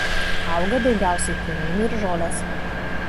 Auga daugiausia krūmynai ir žolės.